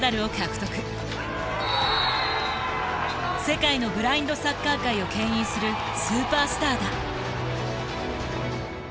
世界のブラインドサッカー界をけん引するスーパースターだ。